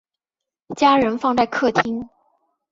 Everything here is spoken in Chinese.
家人放在客厅